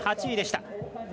８位でした。